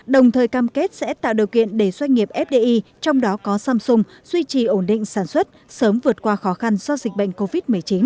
đồng thời cam kết sẽ tạo điều kiện để doanh nghiệp fdi trong đó có samsung duy trì ổn định sản xuất sớm vượt qua khó khăn do dịch bệnh covid một mươi chín